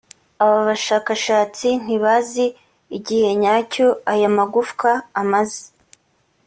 aba bashakashatsi ntibazi igihe nyacyo aya magufwa amaze